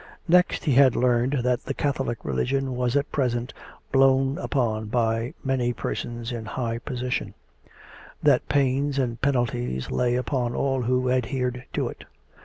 Next he had learned that the Catholic religion was at present blown upon by many persons in high position; that pains and penalties lay upon all who adhered to it.